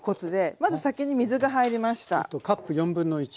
まず先に水が入りました。